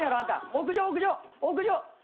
屋上屋上屋上。